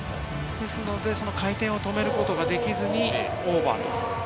回転を止めることができずにオーバー。